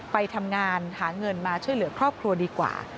ไปทำงานหาเงินมาช่วยเหลือครอบครัวดีกว่า